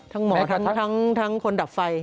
ทั้งหมอทั้งคนดับไฟ